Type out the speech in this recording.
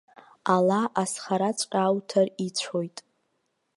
Ала азхараҵәҟьа ауҭар ицәоит.